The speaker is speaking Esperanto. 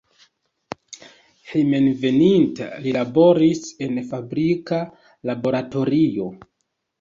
Hejmenveninta, li laboris en fabrika laboratorio.